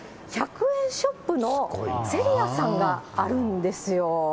１００円ショップのセリアさんがあるんですよ。